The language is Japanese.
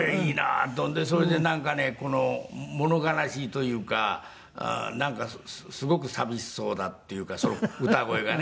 それでなんかねもの悲しいというかなんかすごく寂しそうだというか歌声がね。